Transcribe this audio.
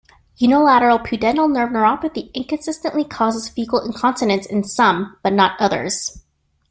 Unilateral pudendal nerve neuropathy inconsistently causes fecal incontinence in some, but not others.